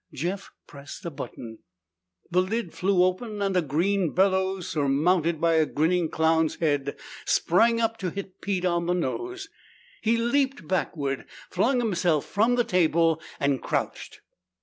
Jeff pressed a button. The lid flew open and a green bellows surmounted by a grinning clown's head sprang up to hit Pete on the nose. He leaped backward, flung himself from the table and crouched.